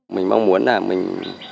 mình mong muốn là mình